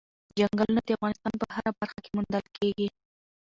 چنګلونه د افغانستان په هره برخه کې موندل کېږي.